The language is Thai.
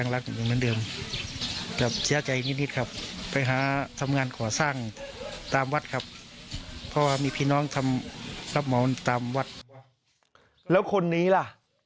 แล้วคนนี้ล่ะ